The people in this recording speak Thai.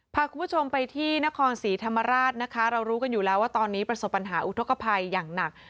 พาคุณผู้ชมไปที่นครศรีธรรมราชนะคะเรารู้กันอยู่แล้วว่าตอนนี้ประสบปัญหาอุทธกภัยอย่างหนัก